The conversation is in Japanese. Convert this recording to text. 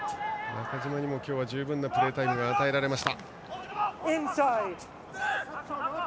中嶋にも今日は十分なプレータイムが与えられました。